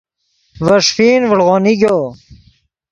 ڤے ݰیفین ڤڑو نیگو